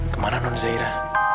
kemana nun zaira